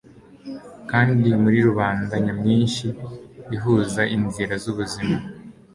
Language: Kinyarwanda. Kandi muri rubanda nyamwinshi ihuza inzira zubuzima